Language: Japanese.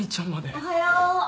・おはよう。